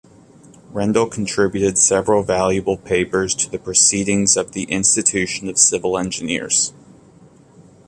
Rendel contributed several valuable papers to the 'Proceedings' of the Institution of Civil Engineers.